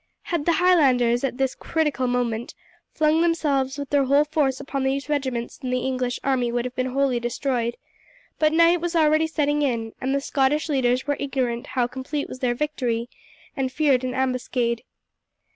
Had the Highlanders, at this critical moment, flung themselves with their whole force upon these regiments the English army would have been wholly destroyed; but night was already setting in, and the Scottish leaders were ignorant how complete was their victory, and feared an ambuscade.